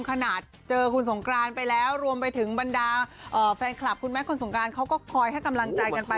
ขนาดเจอคุณสงกรานไปแล้วรวมไปถึงบรรดาแฟนคลับคุณแม่คนสงการเขาก็คอยให้กำลังใจกันไป